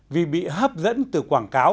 vì bị hấp dẫn từ quảng cáo